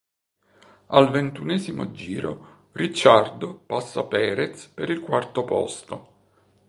Al ventunesimo giro Ricciardo passa Pérez per il quarto posto.